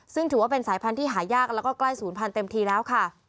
ซึ่งถือว่าเป็นสายพรรณที่หายากแล้วก็ใกล้สูญพรรณเต็มทีแล้วค่ะ